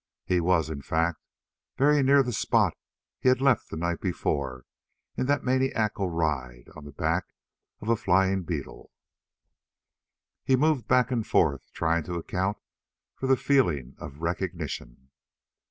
He was, in fact, very near the spot he had left the night before in that maniacal ride on the back of a flying beetle. He moved back and forth, trying to account for the feeling of recognition.